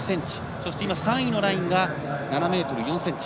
そして、３位のラインが７ｍ４ｃｍ。